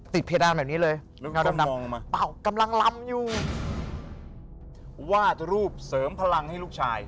เพดานแบบนี้เลยกำลังมองมาเปล่ากำลังลำอยู่วาดรูปเสริมพลังให้ลูกชาย